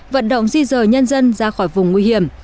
vận động di rời nhân dân ra khỏi vùng nguy hiểm